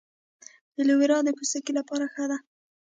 ایلوویرا د پوستکي لپاره ښه ده